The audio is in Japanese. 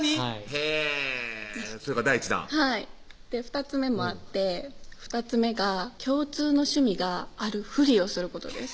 へぇそれが第１弾はい２つ目もあって２つ目が共通の趣味があるフリをすることです